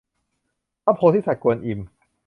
พระโพธิสัตว์กวนอิม